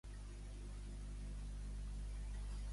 Quina pregunta fa després algú altre?